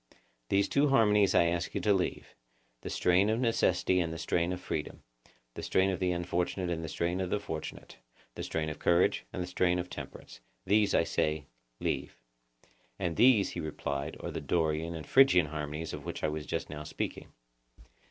These two harmonies I ask you to leave; the strain of necessity and the strain of freedom, the strain of the unfortunate and the strain of the fortunate, the strain of courage, and the strain of temperance; these, I say, leave. And these, he replied, are the Dorian and Phrygian harmonies of which I was just now speaking.